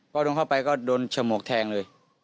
พอโดนเข้าไปก็โดนฉมวกแทงเลย